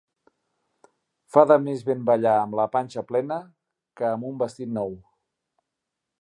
Fa de més bon ballar amb la panxa plena que amb un vestit nou.